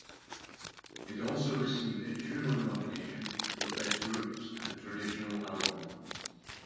It also received a Juno nomination for Best Roots and Traditional Album.